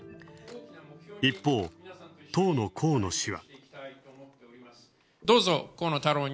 一方、当の河野氏は。